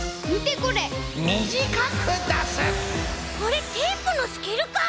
これテープのスキルかい！